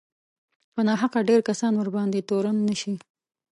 په ناحقه ډېر کسان ورباندې تورن نه شي